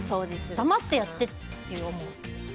黙ってやってって思う。